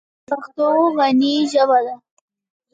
پښتو غني ژبه ده.